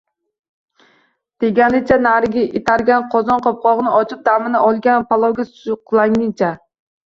Deganicha nari itargach, qozon qopqog`ini ochib damini olgan palovga suqlanganicha